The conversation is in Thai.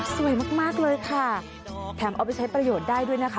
สวยมากเลยค่ะแถมเอาไปใช้ประโยชน์ได้ด้วยนะคะ